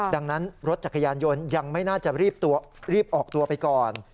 ดังนั้นรถจักรยานยนต์ยังไม่น่าจะรีบออกตัวไปก่อน